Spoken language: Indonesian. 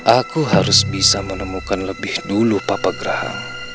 aku harus bisa menemukan lebih dulu papa gerahang